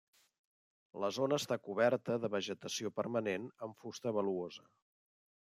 La zona està coberta de vegetació permanent amb fusta valuosa.